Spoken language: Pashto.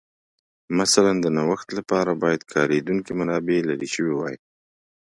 مثلاً د نوښت لپاره باید کارېدونکې منابع لرې شوې وای